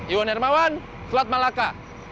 iwan hermawan selat malaka